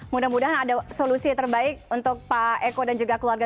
mudah mudahan ada solusi terbaik untuk pak eko dan juga keluarga